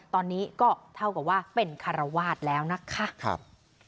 ตอนนี้ก็เท่ากับว่าเป็นคารวาสแล้วนะคะ